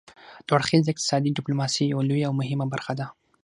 دوه اړخیزه اقتصادي ډیپلوماسي یوه لویه او مهمه برخه ده